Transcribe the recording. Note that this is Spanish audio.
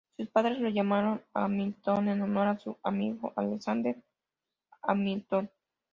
Sus padres lo llamaron Hamilton en honor a su amigo Alexander Hamilton.